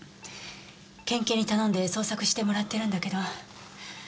県警に頼んで捜索してもらってるんだけど。